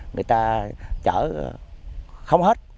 người ta chở không hết